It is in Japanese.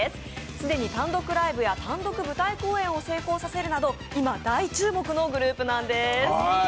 既に単独ライブや単独舞台公演を成功させるなど、今、大注目のグループなんです。